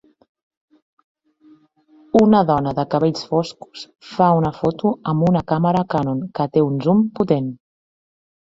Una dona de cabells foscos fa una foto amb una càmera Canon que té un zoom potent.